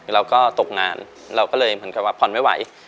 เราก็ตกงานเราก็เลยเหมือนกับว่าผ่อนไม่ไหว